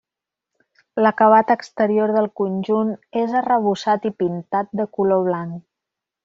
L'acabat exterior del conjunt és arrebossat i pintat de color blanc.